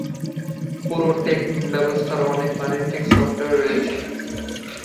পুরো টেক ব্যবস্থার অনেক বাণিজ্যিক সফটওয়ার রয়েছে।